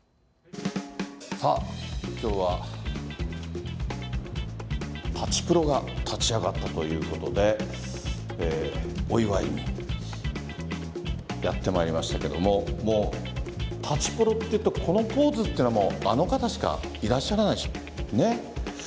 さあ、きょうは、舘プロが立ち上がったということで、お祝いにやってまいりましたけど、もう、舘プロっていうと、このポーズというのは、あの方しかいらっしゃらないしね。